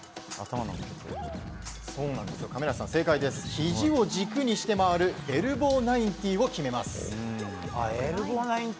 ひじを軸にして回るエルボー１９９０を決めます。